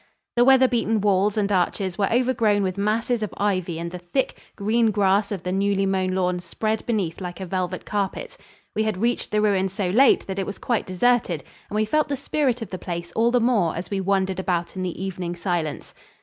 The weather beaten walls and arches were overgrown with masses of ivy and the thick, green grass of the newly mown lawn spread beneath like a velvet carpet. We had reached the ruin so late that it was quite deserted, and we felt the spirit of the place all the more as we wandered about in the evening silence.